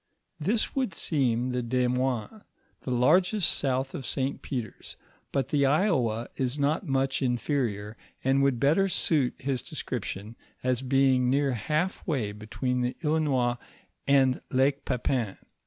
{:* This would seem the Desmoines, the largest south of St. Peter's, but the Iowa is not much inferior, and would better suit his description as being near half way between the Illinois and Lake Pepin.